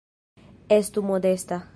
Estu modesta.